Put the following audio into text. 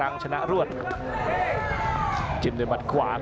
อัศวินาศาสตร์